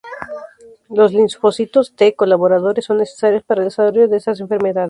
Los linfocitos T colaboradores son necesarios para el desarrollo de estas enfermedades.